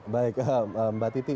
baik mbak titi